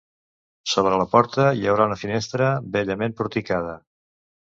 Sobre la porta hi ha una finestra bellament porticada.